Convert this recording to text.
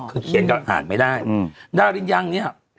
คือเขียนก็อ่านไม่ได้ดารินยังเนี่ย